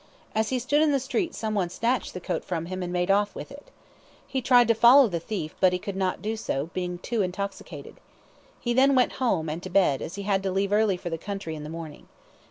As he stood in the street some one snatched the coat from him and made off with it. He tried to follow the thief, but he could not do so, being too intoxicated. He then went home, and to bed, as he had to leave early for the country in the morning.